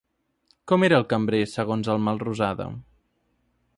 Com era el cambrer, segons el Melrosada?